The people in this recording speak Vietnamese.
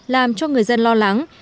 làm cho người dân lo lắng